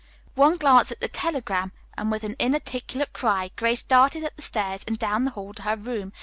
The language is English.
One glance at the telegram and with an inarticulate cry Grace darted up the stairs and down the hall to her room.